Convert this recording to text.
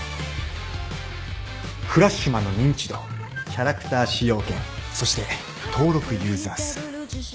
『フラッシュマン』の認知度キャラクター使用権そして登録ユーザー数。